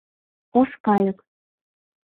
«ОШ КАЙЫК»